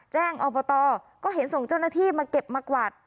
อบตก็เห็นส่งเจ้าหน้าที่มาเก็บมากวาด